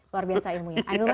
luar biasa ilmunya